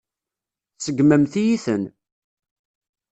Tseggmemt-iyi-ten.